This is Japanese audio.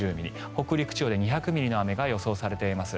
北陸地方で２００ミリの雨が予想されています。